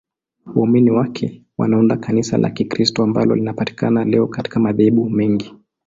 Waumini wake wanaunda Kanisa la Kikristo ambalo linapatikana leo katika madhehebu mengi.